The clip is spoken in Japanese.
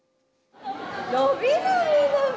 のびのびのび。